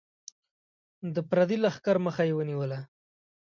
د پردي لښکر مخه یې ونیوله.